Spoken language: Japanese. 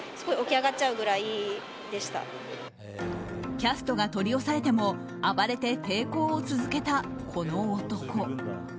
キャストが取り押さえても暴れて、抵抗を続けたこの男。